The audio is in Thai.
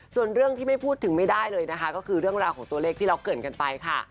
ส่วนเรื่องที่ไม่พูดถึงไม่ได้เลยนะคะก็คือเรื่องราวของตัวเลขที่เราเกิดกันไปค่ะ